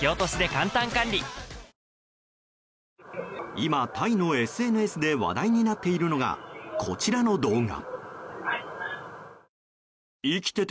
今、タイのＳＮＳで話題になっているのがこちらの動画。